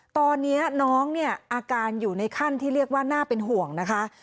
ตอนนี้น้องเนี่ยอาการอยู่ในขั้นที่เรียกว่าน่าเป็นห่วงนะคะ